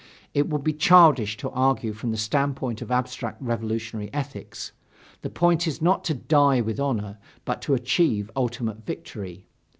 It would be childish to argue from the standpoint of abstract revolutionary ethics. The point is not to die with honor but to achieve ultimate victory.